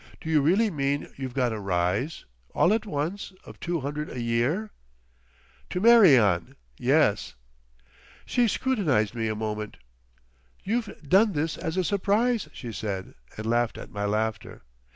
Do you really mean you've got a Rise, all at once, of two hundred a year?" "To marry on—yes." She scrutinised me a moment. "You've done this as a surprise!" she said, and laughed at my laughter.